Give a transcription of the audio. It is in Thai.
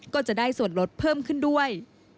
ก็จะได้ส่วนลดเพิ่มขึ้นด้วย